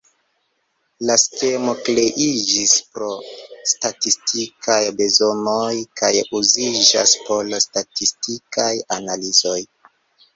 La skemo kreiĝis pro statistikaj bezonoj kaj uziĝas por statistikaj analizoj.